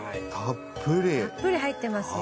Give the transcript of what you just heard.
たっぷり入ってますよ。